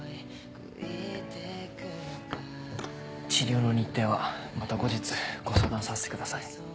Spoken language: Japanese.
治療の日程はまた後日ご相談させてください。